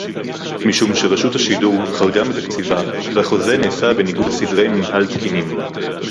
משום שרשות השידור חרגה מתקציבה והחוזה נעשה בניגוד לסדרי מינהל תקינים